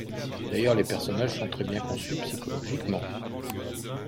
D’ailleurs, les personnages sont très bien conçus psychologiquement.